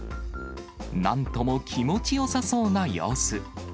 なんとも気持ちよさそうな様子。